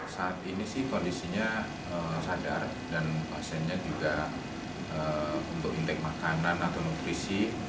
saat ini sih kondisinya sadar dan pasiennya juga untuk indeks makanan atau nutrisi